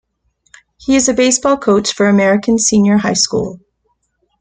He is a baseball coach for American Senior High School.